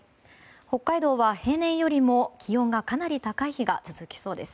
北海道は平年よりも気温がかなり高い日が続きそうです。